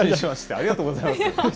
ありがとうございます。